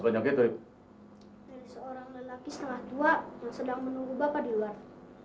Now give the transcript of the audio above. dari seorang lelaki setengah dua yang sedang menunggu bapak di luar